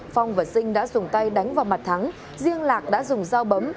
phong và sinh đã dùng tay đánh vào mặt thắng riêng lạc đã dùng dao bấm